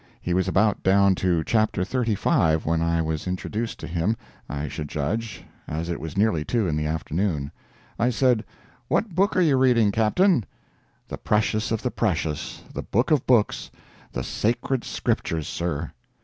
He was about down to chapter thirty five when I was introduced to him, I should judge, as it was nearly two in the afternoon. I said, "What book are you reading, Captain?" "The precious of the precious—the book of books—the Sacred Scriptures, sir."